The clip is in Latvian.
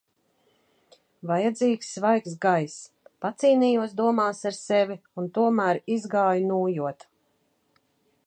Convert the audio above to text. Vajadzīgs svaigs gaiss. Pacīnījos domās ar sevi un tomēr izgāju nūjot.